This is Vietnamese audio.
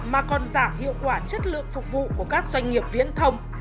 mà còn giảm hiệu quả chất lượng phục vụ của các doanh nghiệp viễn thông